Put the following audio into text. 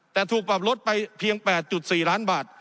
แต่ถูกปรับลดไปเพียง๘๔ล้านบาท